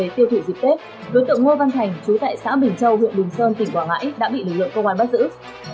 từ dịp tết đối tượng mua văn thành trú tại xã bình châu huyện bình sơn tỉnh quảng ngãi đã bị lực lượng công an bắt giữ